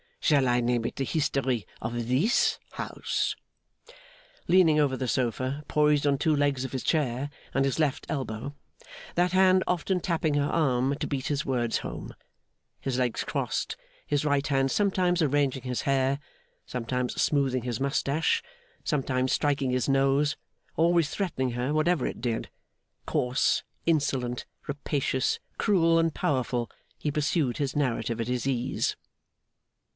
Shall I name it the history of this house?' Leaning over the sofa, poised on two legs of his chair and his left elbow; that hand often tapping her arm to beat his words home; his legs crossed; his right hand sometimes arranging his hair, sometimes smoothing his moustache, sometimes striking his nose, always threatening her whatever it did; coarse, insolent, rapacious, cruel, and powerful, he pursued his narrative at his ease.